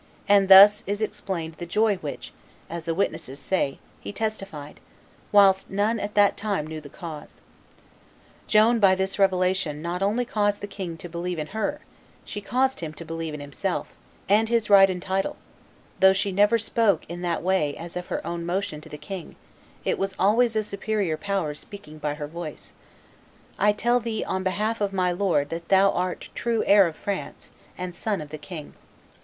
and thus is explained the joy which, as the witnesses say, he testified, whilst none at that time knew the cause. Joan by this revelation not only caused the king to believe in her; she caused him to believe in himself and his right and title: though she never spoke in that way as of her own motion to the king, it was always a superior power speaking by her voice, 'I tell thee on behalf of my Lord that thou art true heir of France, and son of the king.